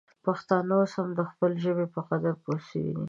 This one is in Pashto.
پښتانه اوس د خپلې ژبې په قدر پوه سوي دي.